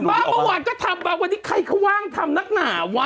เมื่อวานก็ทำมาวันนี้ใครเขาว่างทำนักหนาวะ